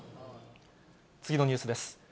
次のニュースです。